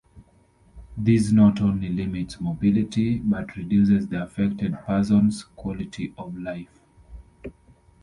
This not only limits mobility but reduces the affected person's quality of life.